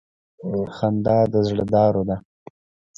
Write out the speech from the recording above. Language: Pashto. • خندا د زړه دارو ده.